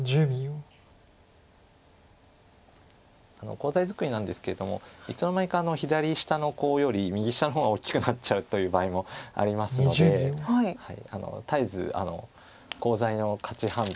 コウ材作りなんですけれどもいつの間にか左下のコウより右下の方が大きくなっちゃうという場合もありますので絶えずコウ材の価値判断が大事になってきます。